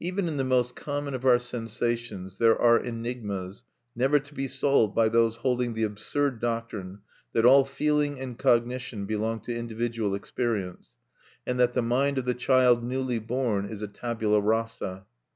Even in the most common of our sensations there are enigmas never to be solved by those holding the absurd doctrine that all feeling and cognition belong to individual experience, and that the mind of the child newly born is a tabula rasa.